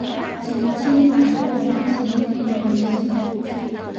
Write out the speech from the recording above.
即清版过关型动作游戏。